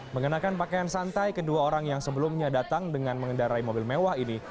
mengenakan pakaian santai kedua orang yang sebelumnya datang dengan mengendarai mobil mewah ini